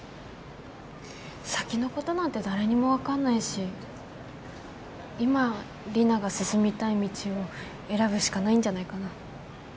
先のことなんて誰にも分かんないし今リナが進みたい道を選ぶしかないんじゃないかな。